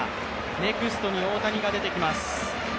ネクストに大谷が出てきます。